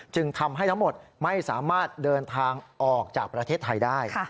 จึงทำให้ทั้งหมดไม่สามารถเดินทางออกจากประเทศไทยได้